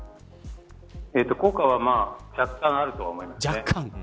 効果は若干あるとは思います。